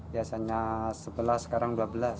biasanya sebelas sekarang dua belas